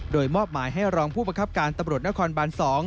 โดยมอบหมายให้รองผู้บังคับการตำรวจนครบาน๒